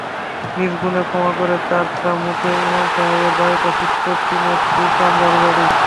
নিজ গুণে ক্ষমা করে চারটা মুখে ইমাম সাহেবের বাড়িটা ছোট্ট টিনের দু-কামরার বাড়ি।